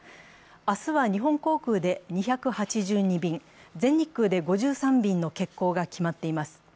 明日は日本航空で２８２便、全日空で５３便の欠航が決まっています。